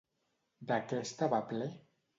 De què estava ple?